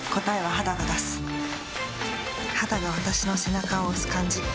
肌が私の背中を押す感じ。